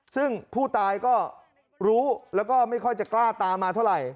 ซึ่งผู้ตายก็รู้แล้วก็ไม่ค่อยจะกล้าตามมาเท่าไหร่